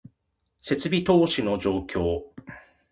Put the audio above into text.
設備投資の状況